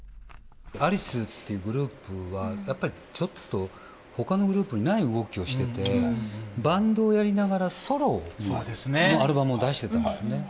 アリスっていうグループは、やっぱりちょっとほかのグループにない動きをしてて、バンドをやりながら、ソロのアルバムを出してたんですね。